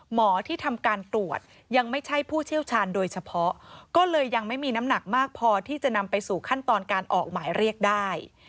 หมอที่ทำการตรวจยังไม่ใช่ผู้เชี่ยวชาญโดยเฉพาะก็เลยยังไม่มีน้ำหนักมากพอที่จะนำไปสู่ขั้นตอนการออกหมายเรียกได้